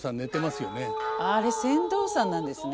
あれ船頭さんなんですね。